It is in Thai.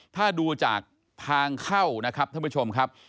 ถ้าดูจากทางเข้านะครับท่านผู้ชมครับ